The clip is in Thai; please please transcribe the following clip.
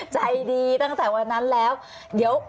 ใจดีตั้งแต่วันนั้นแล้ว